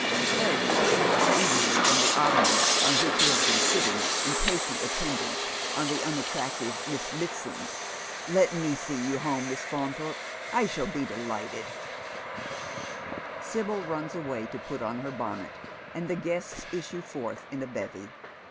Fred springs up eagerly from the ottoman on which he has been sitting in patient attendance on the unattractive Miss Mitsand. "Let me see you home, Miss Fannthorpe. I p^U be de lighted." 102 Dead Men's Shoes. Sibyl i uns away to put on her bonnet, and the guests isstje forth in a bevy.